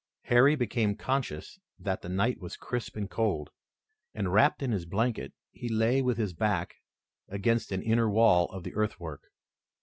Harry became conscious that the night was crisp and cold, and, wrapped in his blanket, he lay with his back against an inner wall of the earthwork.